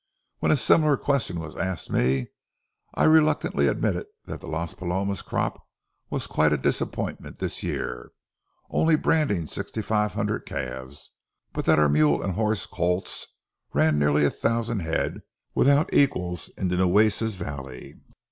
When a similar question was asked me, I reluctantly admitted that the Las Palomas crop was quite a disappointment this year, only branding sixty five hundred calves, but that our mule and horse colts ran nearly a thousand head without equals in the Nueces valley.